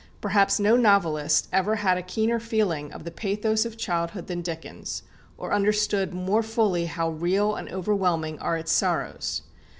Perhaps no novelist ever had a keener feeling of the pathos of childhood than Dickens, or understood more fully how real and overwhelming are its sorrows.